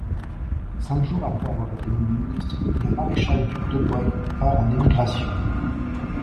Cinq jours après avoir été nommé ministre, le maréchal-duc de Broglie part en émigration.